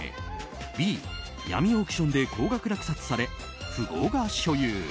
Ｂ、闇オークションで高額落札され富豪が所有。